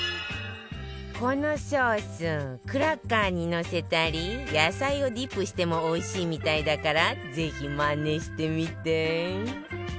このソースクラッカーにのせたり野菜をディップしてもおいしいみたいだからぜひまねしてみて